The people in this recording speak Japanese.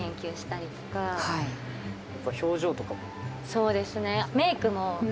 そうですね。